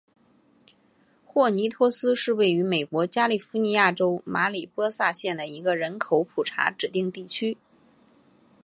霍尼托斯是位于美国加利福尼亚州马里波萨县的一个人口普查指定地区。